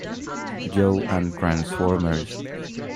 Joe" and "Transformers".